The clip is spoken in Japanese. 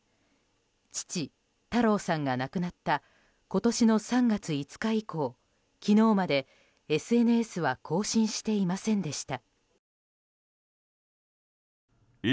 父・太郎さんが亡くなった今年の３月５日以降昨日までＳＮＳは更新していませんでした。